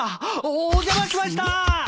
おっお邪魔しました！